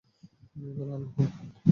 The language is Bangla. এইগুলা আলু, হুম?